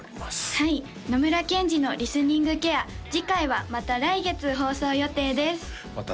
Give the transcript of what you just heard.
はい野村ケンジのリスニングケア次回はまた来月放送予定ですまた